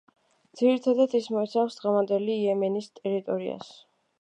ძირითადად ის მოიცავს დღევანდელი იემენის ტერიტორიას.